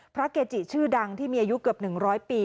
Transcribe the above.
เกจิชื่อดังที่มีอายุเกือบ๑๐๐ปี